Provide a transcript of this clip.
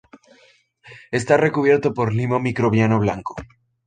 Está recubierto por limo microbiano blanco.